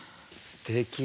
すてき。